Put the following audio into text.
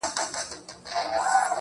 لکه کنگل تودو اوبو کي پروت يم.